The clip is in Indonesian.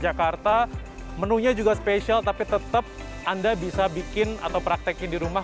jakarta menunya juga spesial tapi tetap anda bisa bikin atau praktekin di rumah